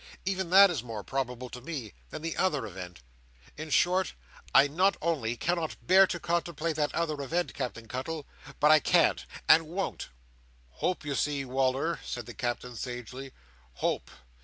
Even that is more probable to me, than the other event. In short, I not only cannot bear to contemplate that other event, Captain Cuttle, but I can't, and won't." "Hope, you see, Wal"r," said the Captain, sagely, "Hope.